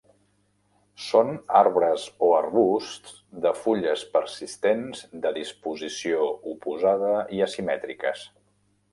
Són arbres o arbusts de fulles persistents de disposició oposada i asimètriques.